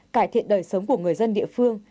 cải thiện đời sống của người dân địa phương